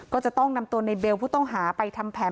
ก็จะต้องนำตัวในเบลผู้ต้องหาไปทำแผน